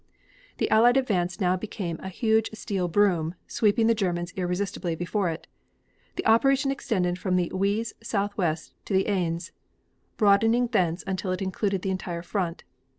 The Allied advance now became a huge steel broom, sweeping the Germans irresistibly before it. The operation extended from the Oise southeast to the Aisne, broadening thence until it included the entire front.